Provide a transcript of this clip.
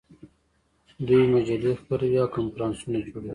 دوی مجلې خپروي او کنفرانسونه جوړوي.